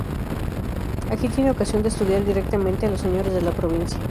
Aquí tiene ocasión de estudiar directamente a los señores de la provincia.